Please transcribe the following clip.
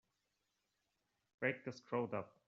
Break this crowd up!